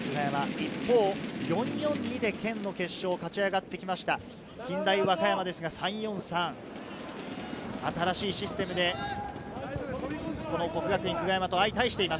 一方、４−４−２で県の決勝を勝ちあがって来ました近大和歌山ですが、３−４−３、新しいシステムでこの國學院久我山と相対しています。